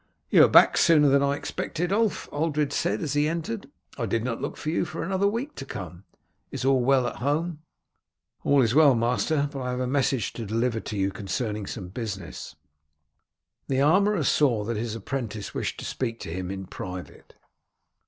"You are back sooner than I expected, Ulf," Ulred said as he entered. "I did not look for you for another week to come. Is all well at home?" "All is well, master; but I have a message to deliver to you concerning some business." The armourer saw that his apprentice wished to speak to him in private.